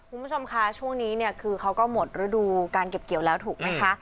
คุณผู้ชมคะช่วงนี้เนี่ยคือเขาก็หมดฤดูการเก็บเกี่ยวแล้วถูกไหมคะ